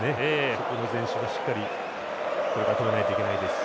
そこの前進が、しっかりここは止めないといけないですし。